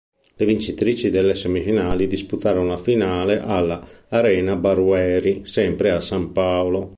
Le vincitrici delle semifinali disputarono la finale alla "Arena Barueri" sempre a San Paolo.